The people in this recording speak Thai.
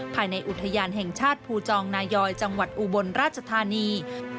ภายในอุทยานแห่งชาติภูจองนายอยจังหวัดอุบลราชธานี